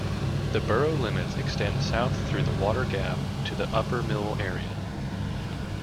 The borough limits extend south through the water gap to the Upper Mill area.